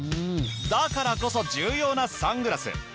だからこそ重要なサングラス。